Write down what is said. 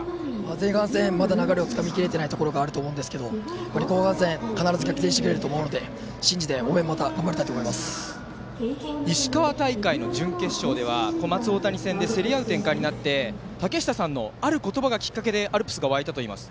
前半戦流れをつかみきれていないところがあると思うんですが後半戦必ず逆転してくれると思うので信じて石川大会の準決勝では小松大谷戦で攻め合う展開になってたけしたさんのある言葉でアルプスが沸いたといいます。